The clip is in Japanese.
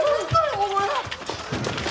お前！